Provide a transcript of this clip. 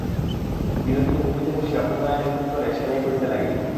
বিনোদিনী ভূমিতে বসিয়া পুনরায় নিরুত্তরে সেলাই করিতে লাগিল।